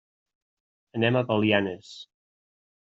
Anem a Belianes.